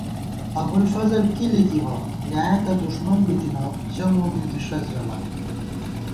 ابُوالفضل کی لِکِبہ، بۡلیایَہ تہ دُݭمن بِتَنہ، ژَہ مومِنزی ݭَڅ ژمان